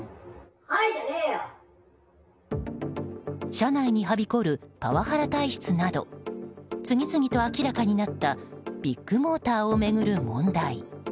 社内にはびこるパワハラ体質など次々と明らかになったビッグモーターを巡る問題。